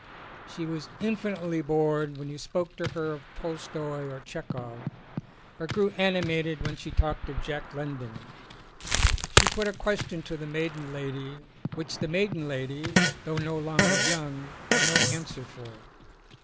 She was infinitely bored when you spoke to her of Tolstoi or Chekov; but grew animated when she talked of Jack London. She put a question to the maiden lady which the maiden lady, though no longer young, had no answer for.